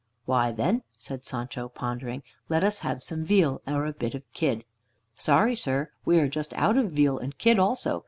"Why, then," said Sancho, pondering, "let us have some veal, or a bit of kid." "Sorry sir, we are just out of veal and kid also.